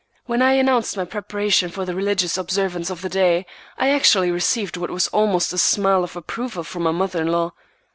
When I had announced my preparation for the religious observance of the day, I actually received what was almost a smile of approval from my mother in law.